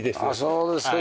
そうですか。